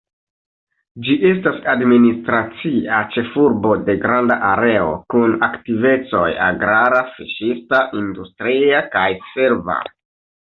Ĝi estas administracia ĉefurbo de granda areo, kun aktivecoj agrara, fiŝista, industria kaj serva.